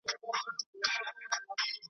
خپل نصیب یم له ازله ستا چړې ته پرې ایستلی .